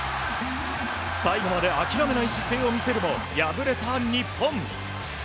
最後まで諦めない姿勢を見せるも敗れた日本。